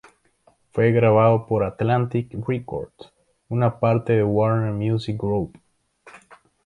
Fue grabado por Atlantic Records, una parte de Warner Music Group.